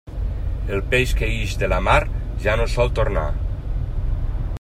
El peix que ix de la mar, ja no sol tornar.